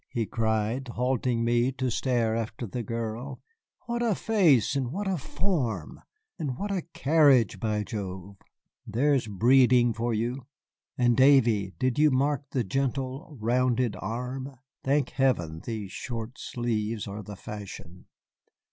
he cried, halting me to stare after the girl, "what a face, and what a form! And what a carriage, by Jove! There is breeding for you! And Davy, did you mark the gentle, rounded arm? Thank heaven these short sleeves are the fashion."